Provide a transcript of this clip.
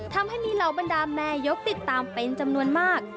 ทำให้มีเหล่าบรรดาแม่ยกติดตามเป็นจำนวนมาก